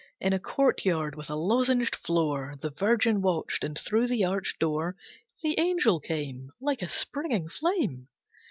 In a courtyard with a lozenged floor The Virgin watched, and through the arched door The angel came Like a springing flame.